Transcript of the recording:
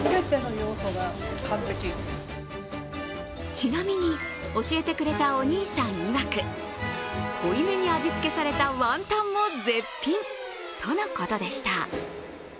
ちなみに、教えてくれたお兄さんいわく濃いめに味付けされたワンタンも絶品とのことでした。